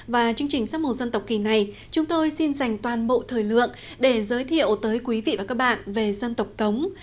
và chương trình sắp một dân tộc kỳ này chúng tôi xin dành toàn bộ thời lượng để giới thiệu tới quý vị và các bạn về dân tộc cống